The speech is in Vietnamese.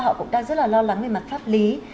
họ cũng đang rất là lo lắng về mặt pháp lý